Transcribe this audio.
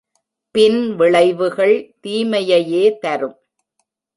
பின் விளைவுகள் தீமையையே தரும்.